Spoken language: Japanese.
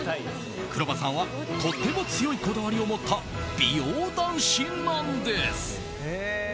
黒羽さんはとっても強いこだわりを持った美容男子なんです。